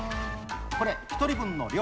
これ、１人分の量。